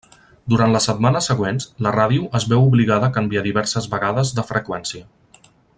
Durant les setmanes següents, la ràdio es veu obligada a canviar diverses vegades de freqüència.